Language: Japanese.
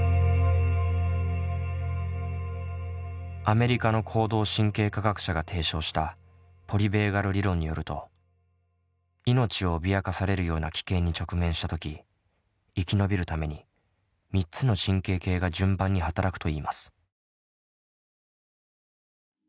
アメリカの行動神経科学者が提唱したポリヴェーガル理論によると命を脅かされるような危険に直面した時生き延びるために３つの神経系が順番に働くといいます。